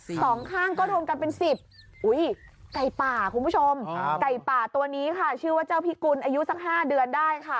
อีจะดูกันเป็น๑๐แก่ป่าชื่อเจ้าพิกุลอายุสัก๕เดือนได้